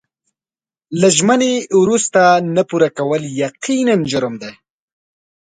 له ژمنې وروسته نه پوره کول یقیناً جرم دی.